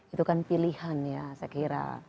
itu kan pilihan ya saya kira